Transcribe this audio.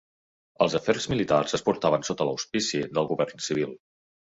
Els afers militars es portaven sota l'auspici del govern civil.